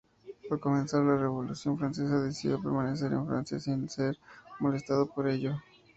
Al comenzar la Revolución francesa decidió permanecer en Francia sin ser molestado por ello.